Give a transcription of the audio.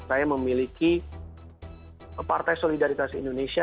saya juga bisa memiliki partai solidaritas indonesia